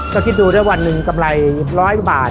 ก็คิดดูได้วันหนึ่งกำไร๑๐๐บาท